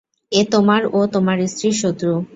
এ তোমার ও তোমার স্ত্রীর শত্রু।